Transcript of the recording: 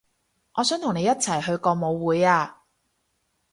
我想同你一齊去個舞會啊